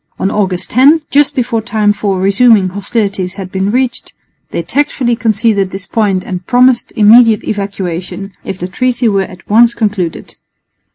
On August 10, just before time for resuming hostilities had been reached, they tactfully conceded this point and promised immediate evacuation, if the treaty were at once concluded.